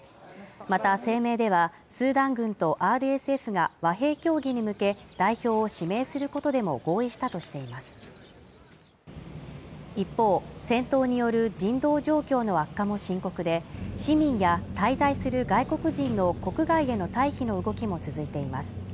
また声明では、スーダン軍とＲＳＦが和平協議に向け、代表を指名することでも合意したとしています一方、戦闘による人道状況の悪化も深刻で、市民や滞在する外国人の国外への退避の動きも続いています。